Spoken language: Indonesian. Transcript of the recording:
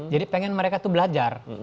jadi pengen mereka itu belajar